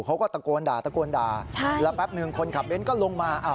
เขาก็ตะโกนด่าแล้วแป๊บหนึ่งคนขับเบ้นท์ก็ลงมา